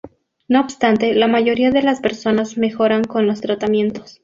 No obstante, la mayoría de las personas mejoran con los tratamientos.